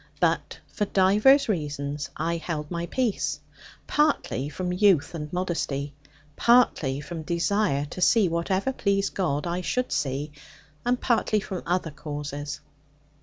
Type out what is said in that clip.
But for divers reasons I held my peace, partly from youth and modesty, partly from desire to see whatever please God I should see, and partly from other causes.